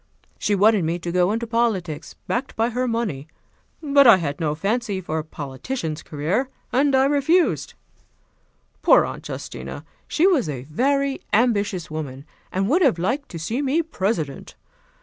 "She wanted me to go into politics, backed by her money; but I had no fancy for a politician's career, and I refused. Poor Aunt Justina! She was a very ambitious woman, and would have liked to see me President.